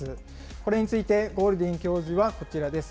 これについてゴールディン教授はこちらです。